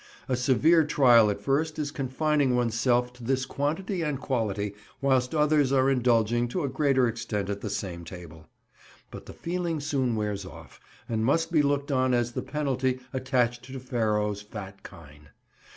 A severe trial at first is confining one's self to this quantity and quality, whilst others are indulging to a greater extent at the same table; but the feeling soon wears off, and must be looked on as the penalty attached to Pharaoh's fat kine.